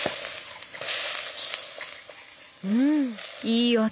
うんいい音！